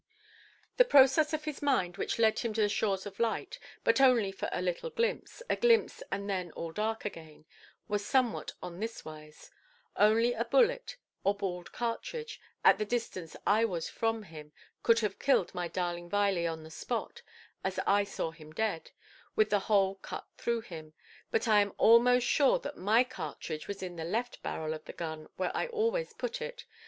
The process of his mind which led him to the shores of light—but only for a little glimpse, a glimpse and then all dark again—was somewhat on this wise: "Only a bullet, or balled cartridge, at the distance I was from him, could have killed my darling Viley on the spot, as I saw him dead, with the hole cut through him. I am almost sure that my cartridge was in the left barrel of the gun, where I always put it.